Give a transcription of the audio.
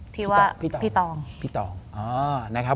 พี่ตองพี่ตองพี่ตองนะครับ